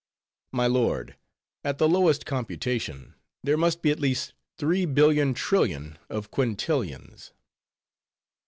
"My lord, at the lowest computation, there must be at least three billion trillion of quintillions."